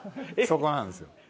そこなんですよ。